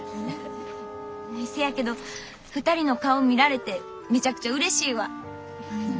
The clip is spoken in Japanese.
せやけど２人の顔見られてめちゃくちゃうれしいわ。